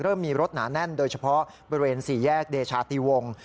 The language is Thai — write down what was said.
เริ่มมีรถหนาแน่นโดยเฉพาะบริเวณสี่แยกเดชาติวงศ์